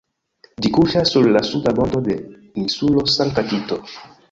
Ĝi kuŝas sur la suda bordo de Insulo Sankta-Kito.